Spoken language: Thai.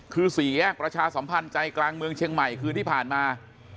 คือสี่แยกประชาสัมพันธ์ใจกลางเมืองเชียงใหม่คืนที่ผ่านมา